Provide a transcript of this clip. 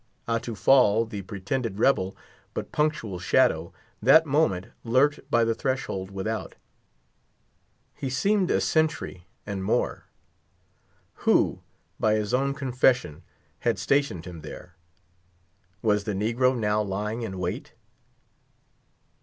Atufal, the pretended rebel, but punctual shadow, that moment lurked by the threshold without. He seemed a sentry, and more. Who, by his own confession, had stationed him there? Was the negro now lying in wait?